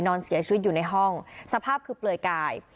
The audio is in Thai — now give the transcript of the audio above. นอนเสียชีวิตอยู่ในห้องสภาพคือเปลือยกาย